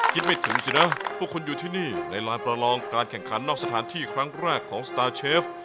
คิดไม่ถึงสินะพวกคุณอยู่ที่นี่ในลานประลองการแข่งขันนอกสถานที่ครั้งแรกของสตาร์เชฟ